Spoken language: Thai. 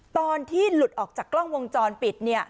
ตอนที่หลุดออกจากกล้องวงจรปิดเนี่ย